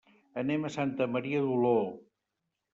Anem a Santa Maria d'Oló.